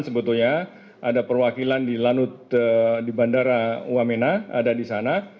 sebetulnya ada perwakilan di bandara wamena ada di sana